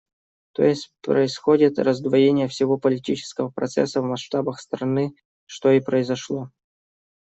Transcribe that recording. То есть происходит раздвоение всего политического процесса в масштабах страны, что и произошло.